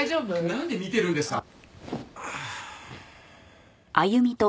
なんで見てるんですか！